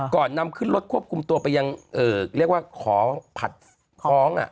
ก่อนนำขึ้นรถควบคุมตัวไปยังเรียกว่าขอผัดฟ้อง